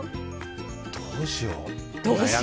どうしよう。